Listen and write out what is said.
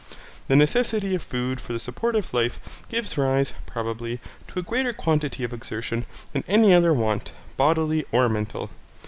The necessity of food for the support of life gives rise, probably, to a greater quantity of exertion than any other want, bodily or mental.